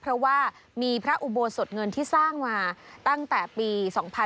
เพราะว่ามีพระอุโบสถเงินที่สร้างมาตั้งแต่ปี๒๕๕๙